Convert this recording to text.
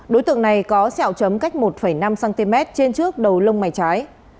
đối tượng này có xeo chấm cách một năm cm trên trước đầu lông mái trái